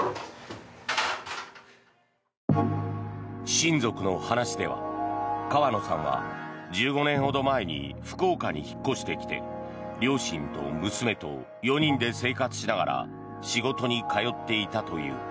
親族の話では、川野さんは１５年ほど前に福岡市に引っ越してきて両親と娘と４人で生活しながら仕事に通っていたという。